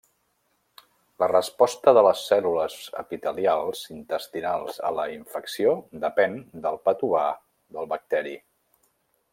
La resposta de les cèl·lules epitelials intestinals a la infecció depèn del patovar del bacteri.